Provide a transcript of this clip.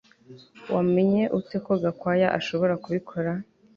Wamenye ute ko Gakwaya ashobora kubikora